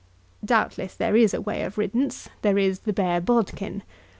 Doubtless there is a way of riddance. There is the bare bodkin.